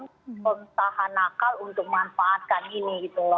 untuk menahan nakal untuk memanfaatkan ini